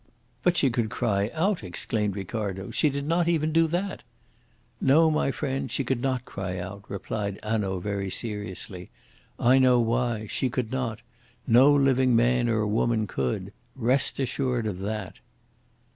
"But she could cry out," exclaimed Ricardo. "She did not even do that!" "No, my friend, she could not cry out," replied Hanaud very seriously. "I know why. She could not. No living man or woman could. Rest assured of that!"